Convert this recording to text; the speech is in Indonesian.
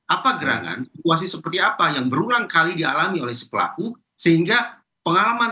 apa gerangan situasi seperti apa yang berulang kali dialami oleh si pelaku sehingga pengalaman